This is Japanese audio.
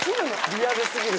リアル過ぎる。